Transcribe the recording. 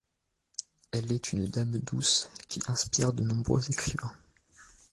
Elle est une dame douce qui inspire de nombreux écrivains.